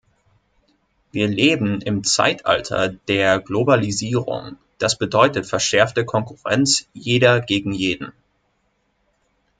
Wir leben im Zeitalter der Globalisierung, das bedeutet verschärfte Konkurrenz jeder gegen jeden.